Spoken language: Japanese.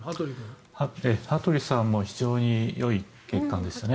羽鳥さんも非常によい血管でしたね。